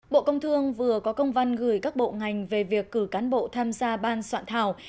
bộ công thương vừa có công văn gửi các bộ ngành về việc cử cán bộ tham gia ban soạn thảo